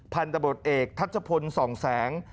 พันธบทเอกทัชพลส่องแสง